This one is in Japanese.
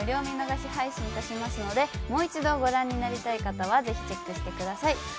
見逃し配信いたしますのでもう一度ご覧になりたい方はぜひチェックしてください。